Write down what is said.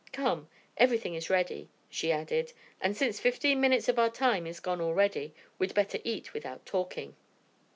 Come, everything is ready," she added, "and since fifteen minutes of our time is gone already, we'd better eat without talking."